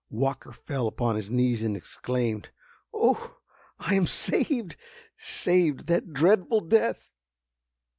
Walker fell upon his knees and exclaimed: "Oh! I am saved—saved that dreadful death!"